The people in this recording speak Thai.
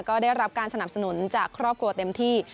ก็ได้รับการสนับสนุนจากครอบครัวเต็มที่